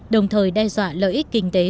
đồng thời đe dọa lợi ích kinh tế